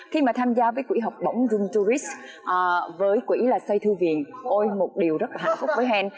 khi mà tham gia với quỹ học bổng dung tourist với quỹ xây thư viện ôi một điều rất là hạnh phúc với hèn